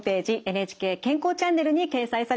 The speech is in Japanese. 「ＮＨＫ健康チャンネル」に掲載されます。